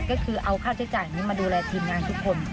ก็คือเอาค่าใช้จ่ายนี้มาดูแลทีมงานทุกคน